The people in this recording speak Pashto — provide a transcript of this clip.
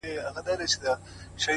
هغې ويل ه نور دي هيڅ په کار نه لرم،